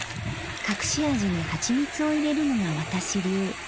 隠し味に蜂蜜を入れるのが私流。